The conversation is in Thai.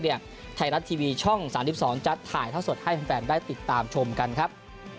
ไทยรัฐทีวีช่อง๓๒จะถ่ายเท่าสดให้แฟนได้ติดตามชมกันครับ